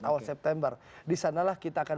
awal september disanalah kita akan